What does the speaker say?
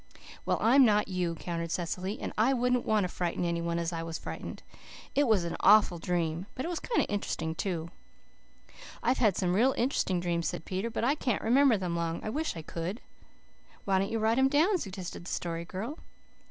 "Well, I'm not you," countered Cecily, "and I wouldn't want to frighten any one as I was frightened. It was an awful dream but it was kind of interesting, too." "I've had some real int'resting dreams," said Peter, "but I can't remember them long. I wish I could." "Why don't you write them down?" suggested the Story Girl.